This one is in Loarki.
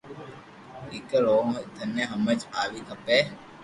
ڪيڪر ھون ئي ٿني ھمج آوي کپي